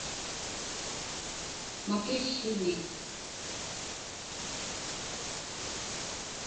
makiłłuni